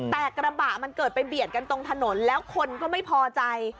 แต่กระบะมันเกิดไปเบียดกันตรงถนนแล้วคนก็ไม่พอใจ